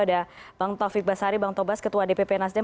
ada bang taufik basari bang tobas ketua dpp nasdem